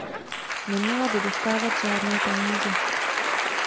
Neměla by dostávat žádné peníze.